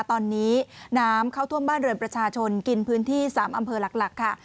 ตอนนี้น้ำเข้าท่วมบ้านเรือนประชาชนกินพื้นที่๓อำเภอหลักค่ะ